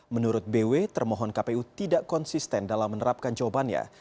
menurut bw termohon kpu tidak konsisten dalam menerapkan jawabannya